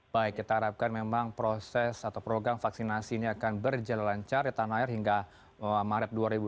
baik kita harapkan memang proses atau program vaksinasi ini akan berjalan lancar di tanah air hingga maret dua ribu dua puluh